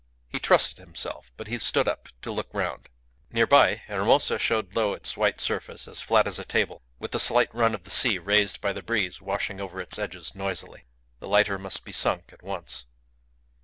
He trusted himself, but he stood up to look round. Near by, Hermosa showed low its white surface as flat as a table, with the slight run of the sea raised by the breeze washing over its edges noisily. The lighter must be sunk at once.